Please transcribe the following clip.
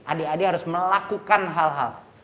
adik adik harus melakukan hal hal